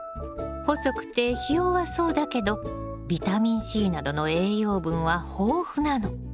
細くてひ弱そうだけどビタミンＣなどの栄養分は豊富なの。